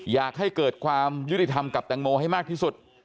อยากให้เกิดความยุติธรรมกับแตงโมให้มากที่สุด